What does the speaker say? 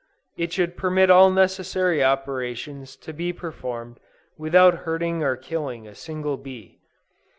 It should permit all necessary operations to be performed without hurting or killing a single bee.